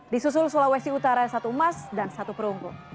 disusul sulawesi utara satu emas dan satu perunggu